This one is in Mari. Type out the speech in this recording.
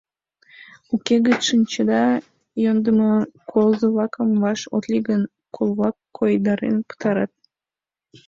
Уке гын, шинчеда, йӧндымӧ: колызо-влакым ваш от лий гын — кол-влак койдарен пытарат.